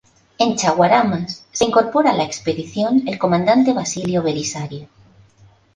En Chaguaramas se incorpora a la expedición, el comandante Basilio Belisario.